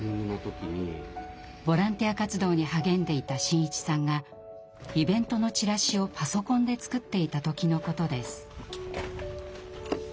ボランティア活動に励んでいた伸一さんがイベントのチラシをパソコンで作っていた時のことです。